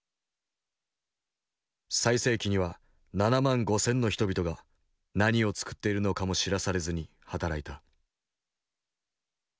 最盛期には７万５，０００の人々が何を作っているのかも知らされずに働いた。